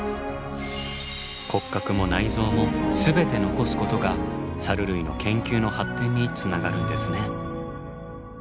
骨格も内臓も全て残すことがサル類の研究の発展につながるんですね。